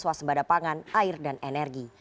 swasembada pangan air dan energi